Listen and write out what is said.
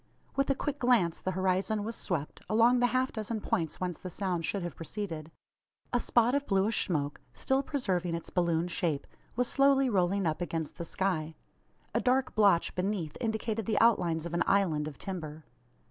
With a quick glance the horizon was swept, along the half dozen points whence the sound should have proceeded. A spot of bluish smoke still preserving its balloon shape was slowly rolling up against the sky. A dark blotch beneath indicated the outlines of an "island" of timber.